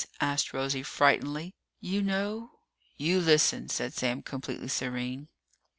asked Rosie frightenedly. "You know " "You listen," said Sam, completely serene.